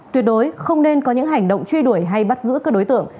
tuyệt đối không nên có những hành động truy đuổi hay bắt giữ các đối tượng